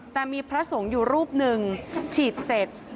แต่มีพระสงฆ์อยู่รูปหนึ่งฉีดเสร็จ